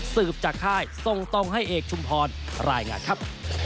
สืบจากค่ายส่งตรงให้เอกชุมพรรายงานครับ